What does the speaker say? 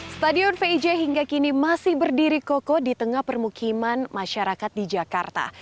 stadion vij hingga kini masih berdiri kokoh di tengah permukiman masyarakat di jakarta